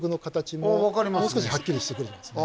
もう少しはっきりしてくるんですね。